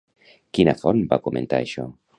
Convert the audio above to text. Quina font va comentar això?